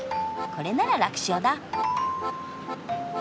これなら楽勝だ！